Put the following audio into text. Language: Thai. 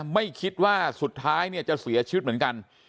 ไม่คิดว่าสุดท้ายเนี่ยจะเสียชีวิตเหมือนกัน